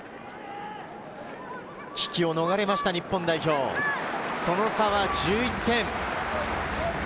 危機を逃れた日本代表、その差は１１点。